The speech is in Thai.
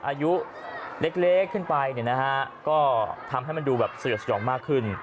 อายุเล็กขึ้นไปก็ทำให้มันดูสยองมากขึ้น